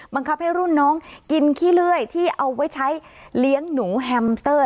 บังคับให้รุ่นน้องกินขี้เลื่อยที่เอาไว้ใช้เลี้ยงหนูแฮมเตอร์